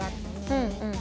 うんうん。